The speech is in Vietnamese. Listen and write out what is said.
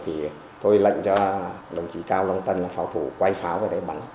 thì tôi lệnh cho đồng chí cao long tân là pháo thủ quay pháo vào đây bắn